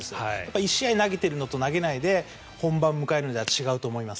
１試合投げているのと投げないで本番を迎えるのでは違うと思います。